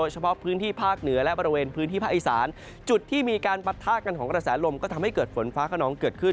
จุดที่มีการปัดท่ากันของกระแสลมก็ทำให้เกิดฝนฟ้ากระนองเกิดขึ้น